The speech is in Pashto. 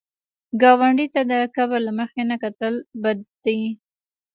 ګاونډي ته د کبر له مخې نه کتل بد دي